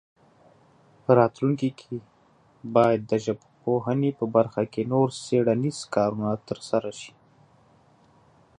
په راتلونکي کې باید د ژبپوهنې په برخه کې نور څېړنیز کارونه ترسره شي.